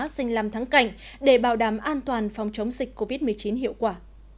dành làm thắng cảnh để bảo đảm an toàn phòng chống dịch covid một mươi chín hiệu quả